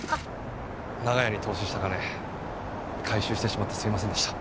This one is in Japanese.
長屋に投資した金回収してしまってすいませんでした。